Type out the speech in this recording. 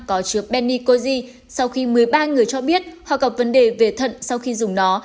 có chứa benny cozy sau khi một mươi ba người cho biết họ gặp vấn đề về thận sau khi dùng nó